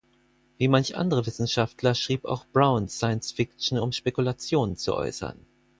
Wie manch andere Wissenschaftler schrieb auch Brown Science Fiction, um Spekulationen zu äußern.